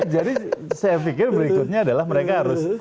jadi saya pikir berikutnya adalah mereka harus